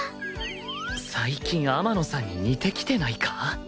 最近天野さんに似てきてないか？